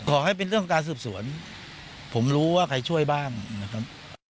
ขอให้เป็นเรื่องการสืบสวนผมรู้ว่าใครช่วยบ้างนะครับ